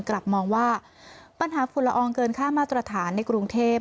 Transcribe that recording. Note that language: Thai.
กลับมองว่าปัญหาฝุ่นละอองเกินค่ามาตรฐานในกรุงเทพ